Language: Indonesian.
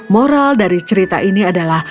moral dari cerita ini adalah